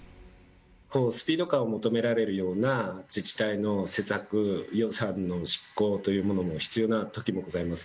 このスピード感を求められるような自治体の施策、予算の執行というものも必要なときもございます。